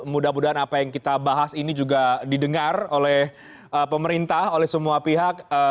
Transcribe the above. mudah mudahan apa yang kita bahas ini juga didengar oleh pemerintah oleh semua pihak